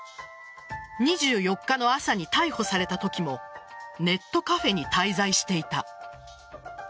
２４日の朝に逮捕されたときもネットカフェに滞在していた。